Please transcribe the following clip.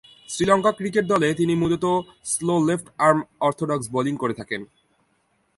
Sri Lanka cricket দলে তিনি মূলতঃ slow left arm orthodox bowling করে থাকেন।